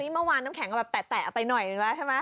เมื่อวานน้ำแข็งก็แบบแตะไปหน่อยใช่ไหม